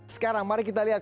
sekarang mari kita lihat